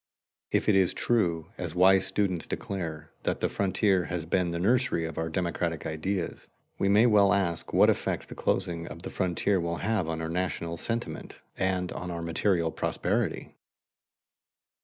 If it is true, as wise students declare, that the frontier has been the nursery of our democratic ideas, we may well ask what effect the closing of the frontier will have on our national sentiment and on our material prosperity.